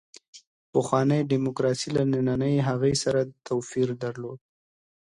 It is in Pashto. پخوانۍ دیموکراسي له نننۍ هغې سره توپیر درلود.